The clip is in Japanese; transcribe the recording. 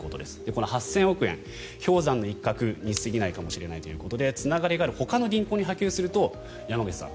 この８０００億円氷山の一角に過ぎないかもしれないということでつながりがあるほかの銀行に波及すると山口さん